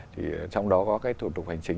thì trong đó có cái thủ tục hành chính